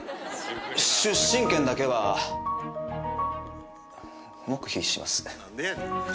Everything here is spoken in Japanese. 出身県だけは黙秘します。